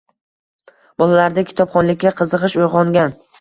Bolalarda kitobxonlikka qiziqish uyg‘ongan.